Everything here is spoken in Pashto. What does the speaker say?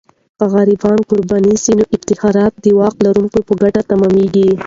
که غریبان قرباني سي، نو افتخارات د واک لرونکو په ګټه تمامیږي.